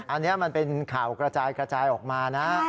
อันนี้มันเป็นข่าวกระจายกระจายออกมานะ